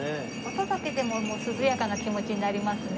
音だけでももう涼やかな気持ちになりますね。